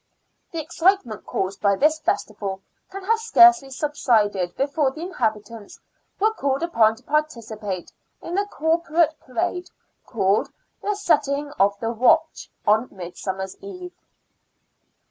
The excitement caused by this festival can have scarcely subsided before the inhabitants were called upon to participate in the corporate parade, called the "Setting of the Watch" on Midsummer Eve.